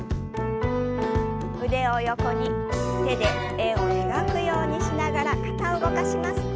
腕を横に手で円を描くようにしながら肩を動かします。